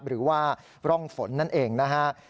หรือว่าร่องฝนนั่นเองนะฮะ